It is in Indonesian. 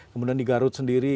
kemudian di garut sendiri